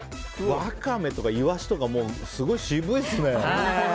ワカメとかイワシとか渋いですね。